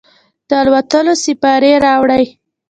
د الوتلو سیپارې راوړي